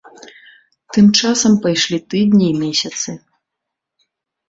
Тым часам пайшлі тыдні і месяцы.